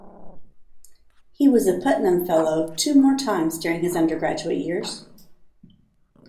He was a Putnam Fellow two more times during his undergraduate years.